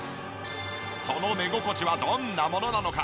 その寝心地はどんなものなのか？